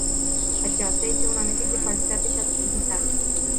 Aceasta este un amestec de falsitate și absurditate.